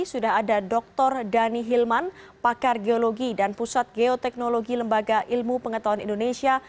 sudah ada dr dhani hilman pakar geologi dan pusat geoteknologi lembaga ilmu pengetahuan indonesia